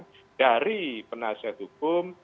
pertanyaan dari penasihat hukum